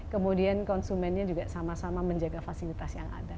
kemudian konsumennya juga sama sama menjaga fasilitas yang ada